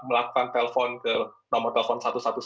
melakukan telepon ke nomor telepon satu ratus sebelas